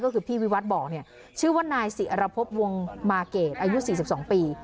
ก็คือพี่วิวัตรบอกเนี่ยชื่อว่านายศิรพบวงมาเกรดอายุ๔๒ปี